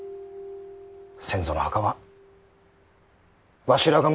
先祖の墓はわしらが守っちゃるき。